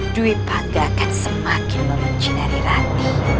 duit bangga akan semakin membencinari rati